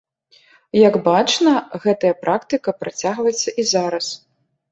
Як бачна, гэтая практыка працягваецца і зараз.